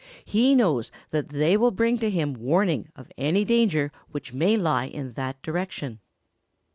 He knows that they will bring to him warning of any danger which may lie in that direction.